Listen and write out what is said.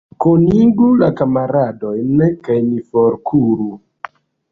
Kunigu la kamaradojn, kaj ni forkuru.